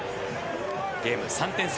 ゲームは３点差。